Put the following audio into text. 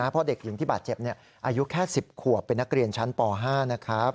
เพราะเด็กหญิงที่บาดเจ็บอายุแค่๑๐ขวบเป็นนักเรียนชั้นป๕นะครับ